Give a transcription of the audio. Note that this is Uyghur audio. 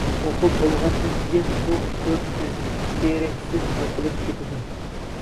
ئوقۇپ بولغاندىن كېيىن بۇ ئۇچۇر ئىز-دېرەكسىز يوقىلىپ كېتىدۇ.